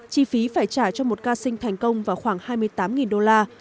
chi phí phải trả cho một ca sinh thành công vào khoảng hai mươi tám đô la